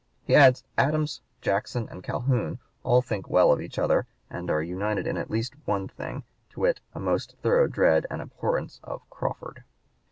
He adds: "Adams, Jackson, and Calhoun all think well of each other, and are united at least in one thing, to wit, a most thorough dread and abhorrence of Crawford."